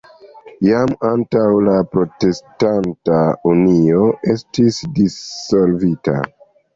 Jam antaŭe la Protestanta Unio estis dissolvita.